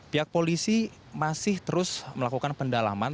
pihak polisi masih terus melakukan pendalaman